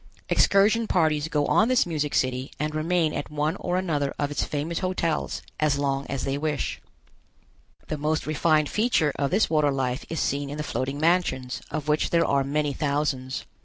Excursion parties go on this music city and remain at one or another of its famous hotels as long as they wish. [Illustration: A Floating Palace and a Floating City.] The most refined feature of this water life is seen in the floating mansions, of which there are many thousands.